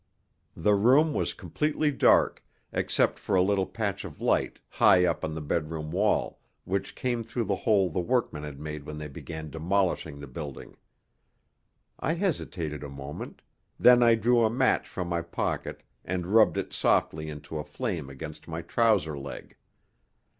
The room was completely dark, except for a little patch of light high up on the bedroom wall, which came through the hole the workmen had made when they began demolishing the building. I hesitated a moment; then I drew a match from my pocket and rubbed it softly into a flame against my trouser leg.